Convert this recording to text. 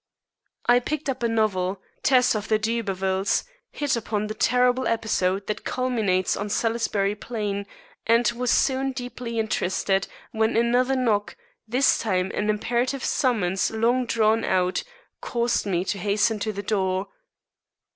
I picked up a novel, "Tess of the D'Urbervilles," hit upon the terrible episode that culminates on Salisbury Plain, and was soon deeply interested, when another knock this time an imperative summons long drawn out caused me to hasten to the door.